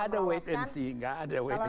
nggak ada wait and see nggak ada wait and see